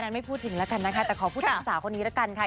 ไม่พูดถึงแล้วกันนะคะแต่ขอพูดถึงสาวคนนี้ละกันค่ะ